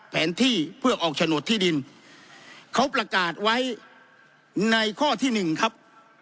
แผนที่เพื่อออกโฉนดที่ดินเขาประกาศไว้ในข้อที่หนึ่งครับ